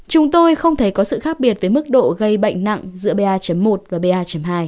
chúng tôi không thấy có sự khác biệt với mức độ gây bệnh nặng giữa ba một và ba hai